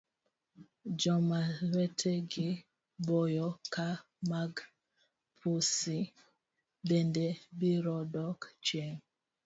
Joma lwetegi boyo ka mag pusi bende birodok chien.